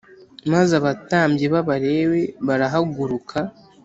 Maze abatambyi b abalewi barahaguruka